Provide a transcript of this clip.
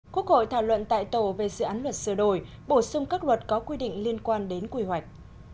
quốc hội thảo luận tại tổ về dự án luật sửa đổi bổ sung các luật có quy định liên quan đến quy hoạch